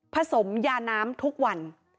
สมยาน้ำทุกวัน